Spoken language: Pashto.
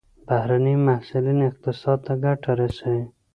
بهرني محصلین اقتصاد ته ګټه رسوي.